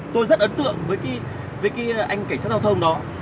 tôi rất ấn tượng với cái anh cảnh sát giao thông đó